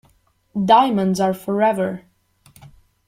Diamonds are forever.